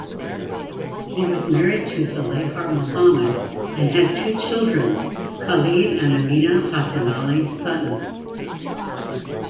He was married to Zalayhar Mohammed and had two children, Khalid and Amena Hassanali-Sutton.